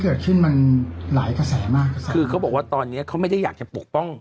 เกิดขึ้นมันหลายกระแสมากคือเขาบอกว่าตอนเนี้ยเขาไม่ได้อยากจะปกป้อง